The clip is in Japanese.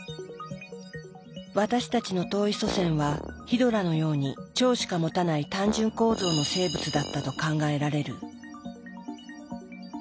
私たちの遠い祖先はヒドラのように腸しか持たない単純構造の生物だったと考えられる。